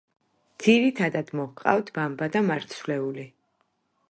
ძირითადათ მოჰყავთ ბამბა და მარცვლეული.